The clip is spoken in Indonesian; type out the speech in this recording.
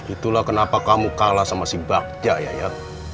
itulah kenapa kamu kalah sama si bagja ya